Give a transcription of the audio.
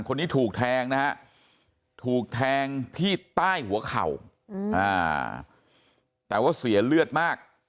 คนนี้ถูกแทงนะฮะถูกแทงที่ใต้หัวเข่าแต่ว่าเสียเลือดมาก